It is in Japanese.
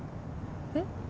えっ？